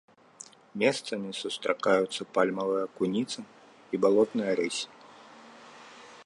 Месцамі сустракаюцца пальмавая куніца і балотная рысь.